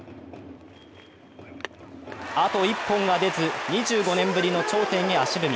あと１本が出ず、２５年ぶりの頂点へ足踏み。